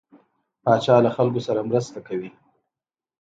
پاچا له خلکو سره مرسته کوي.